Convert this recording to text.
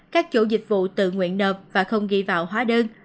các chủ dịch vụ tự nguyện nộp và không ghi vào hóa đơn